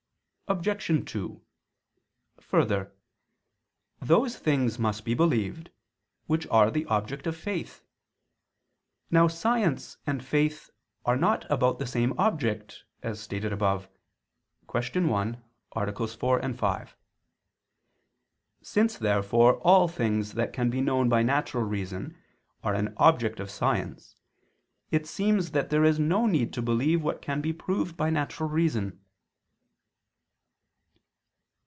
Obj. 2: Further, those things must be believed, which are the object of faith. Now science and faith are not about the same object, as stated above (Q. 1, AA. 4, 5). Since therefore all things that can be known by natural reason are an object of science, it seems that there is no need to believe what can be proved by natural reason.